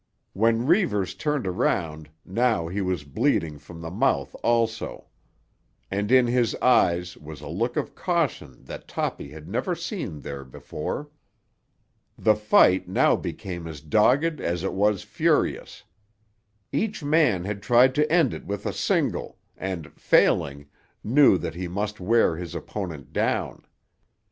When Reivers turned around now he was bleeding from the mouth also, and in his eyes was a look of caution that Toppy had never seen there before. The fight now became as dogged as it was furious. Each man had tried to end it with a single and, failing, knew that he must wear his opponent down.